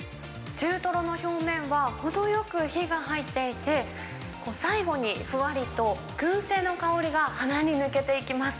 中トロの表面は程よく火が入っていて、最後にふわりとくん製の香りが鼻に抜けていきます。